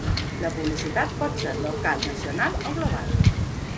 La publicitat pot ser local, nacional o global.